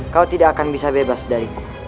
kau tidak akan bisa bebas dariku